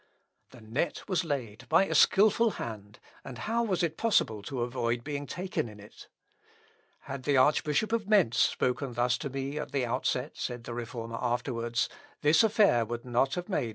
The net was laid by a skilful hand, and how was it possible to avoid being taken in it? "Had the Archbishop of Mentz spoken thus to me at the outset," said the Reformer afterwards, "this affair would not have made so much noise."